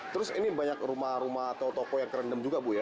terus ini banyak rumah rumah atau toko yang kerendam juga bu ya